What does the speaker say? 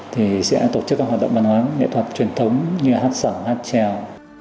thì sẽ tổ chức các hoạt động văn hóa nghệ thuật truyền thống như hát sẩm hát trèo